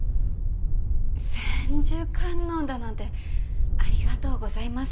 千手観音だなんてありがとうございます。